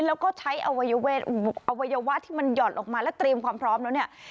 แล้วก็ใช้อวัยวะที่มันหย่อนออกมาและเตรียมความพร้อมแล้วเนี่ย